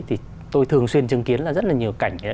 thì tôi thường xuyên chứng kiến là rất là nhiều cảnh